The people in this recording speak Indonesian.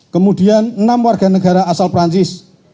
kemudian enam warga negara asal perancis